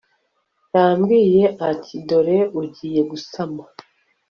yambwiye ati dore ugiye gusama